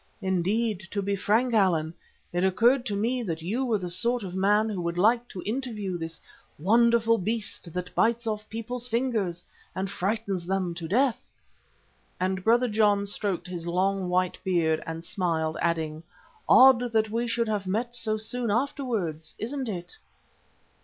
Indeed, to be frank, Allan, it occurred to me that you were the sort of man who would like to interview this wonderful beast that bites off people's fingers and frightens them to death," and Brother John stroked his long, white beard and smiled, adding, "Odd that we should have met so soon afterwards, isn't it?"